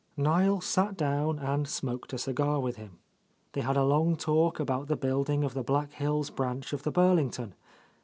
Niel sat down and smoked a cigar with him. They had a long talk about the building of the Black Hills branch of the Burlington.